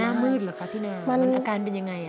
หน้ามืดเหรอคะพี่นามันอาการเป็นยังไง